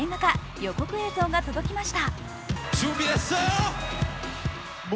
予告映像が届きました。